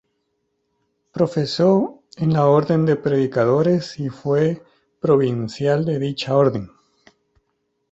Profesó en la Orden de Predicadores y fue provincial de dicha Orden.